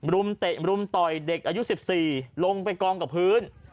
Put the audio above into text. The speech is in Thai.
มเตะรุมต่อยเด็กอายุ๑๔ลงไปกองกับพื้น